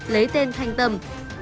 lấy tên thanh tâm